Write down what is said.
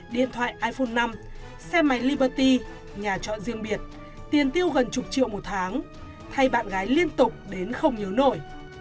điện thoại iphone năm xe máy liberty nhà trọ riêng biệt tiền tiêu gần chục triệu một tháng thay bạn gái liên tục đến không nhớ nổi